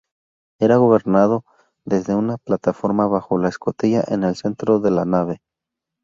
Era gobernado desde una plataforma bajo la escotilla en el centro de la nave.